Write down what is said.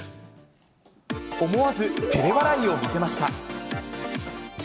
思わずてれ笑いを見せました。